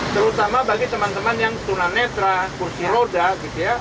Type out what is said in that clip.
terutama bagi teman teman yang tunanetra kursi roda gitu ya